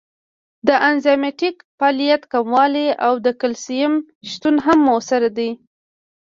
د انزایمټیک فعالیت کموالی او د کلسیم شتون هم مؤثر دی.